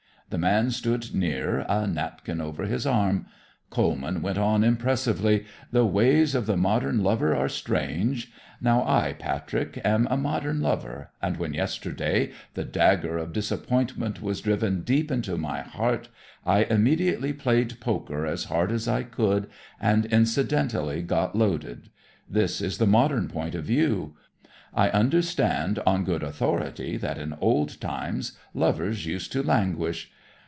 The man stood near, a napkin over his arm. Coleman went on impressively. "The ways of the modern lover are strange. Now, I, Patrick, am a modern lover, and when, yesterday, the dagger of disappointment was driven deep into my heart, I immediately played poker as hard as I could, and incidentally got loaded. This is the modern point of view. I understand on good authority that in old times lovers used to languish.